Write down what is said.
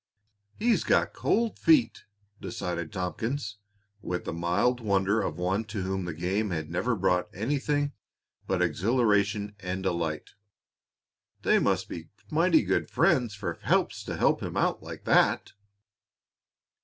"He's got cold feet," decided Tompkins, with the mild wonder of one to whom the game had never brought anything but exhilaration and delight. "They must be mighty good friends for Phelps to help him out like that!"